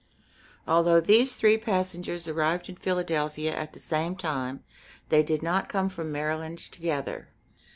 Although these three passengers arrived in Philadelphia at the same time, they did not come from Maryland together.